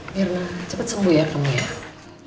mirna cepet sembuh ya kamu ya